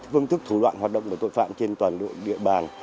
phương thức thủ đoạn hoạt động của tội phạm trên toàn bộ địa bàn